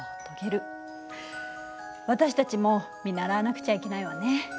私たちも見習わなくちゃいけないわね。